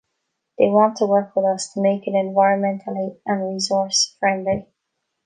They want to work with us to make it environmentally and resource friendly.